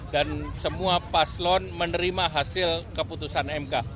dan semua paslon menerima hasil keputusan mk